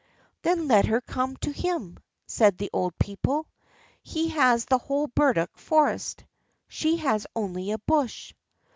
"Then let her come to him," said the old people. "He has the whole burdock forest; she has only a bush."